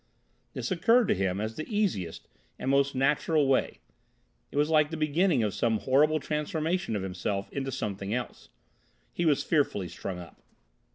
This occurred to him as the easiest, and most natural way. It was like the beginning of some horrible transformation of himself into something else. He was fearfully strung up.